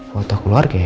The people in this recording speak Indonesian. foto keluarga ya